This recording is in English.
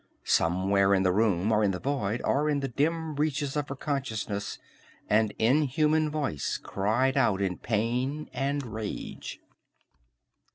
Somewhere in the room, or in the void, or in the dim reaches of her consciousness, an inhuman voice cried out in pain and rage.